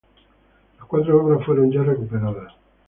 Las cuatro obras fueron ya recuperadas.